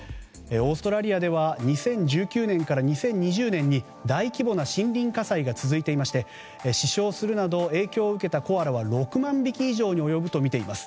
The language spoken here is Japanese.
オーストラリアでは２０１９年から２０２０年に大規模な森林火災が続いていまして死傷するなど影響を受けたコアラは６万匹以上に及ぶとみています。